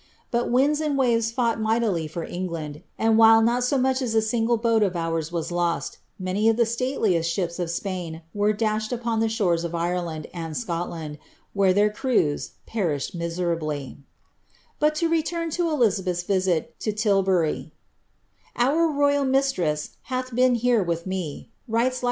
But winds and waves fought mightily for England, and nhut not so much as a single boat of ours was lost, many of the staielifsi ships of Spain were dashed upon the shores of Ireland and Scotland, where their crews jierished miserably,' But to return to Elizabeth's visit lo Tilbury: ' Our royal mistrws hath been here with :ne," writes Leicester to ihc earl of Shrewtburv, ■ Cabala.